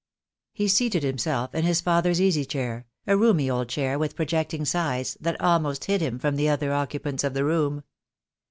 He seated himself in his father's easy chair, a roomy old chair with projecting sides, that almost hid him from the other occupants of the room.